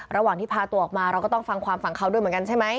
ระหว่างที่พาตัวออกมาเราก็ต้องฟังความฝั่งเขาด้วยเหมือนกันใช่ไหม